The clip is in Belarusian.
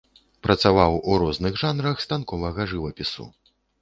Працаваў у розных жанрах станковага жывапісу.